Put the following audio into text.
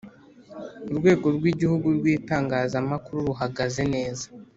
urwego rwigihugu rw itangazamakuru ruhagaze neza